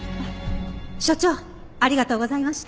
所長ありがとうございました。